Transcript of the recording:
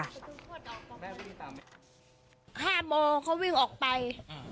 ห้าโมงเขาวิ่งออกไป